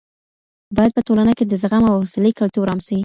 باید په ټولنه کې د زغم او حوصلې کلتور عام سي.